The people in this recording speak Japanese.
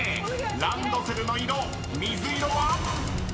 ［ランドセルの色水色は⁉］